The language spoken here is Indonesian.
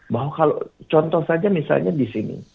bahwa kalau contoh saja misalnya di sini